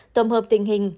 tổng hợp tình hình